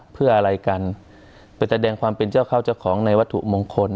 เพื่ออะไรกันไปแสดงความเป็นเจ้าข้าวเจ้าของในวัตถุมงคล